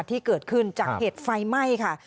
ที่เกิดขึ้นจากเหตุไฟไหม้ค่ะ